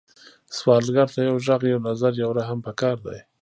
سوالګر ته یو غږ، یو نظر، یو رحم پکار دی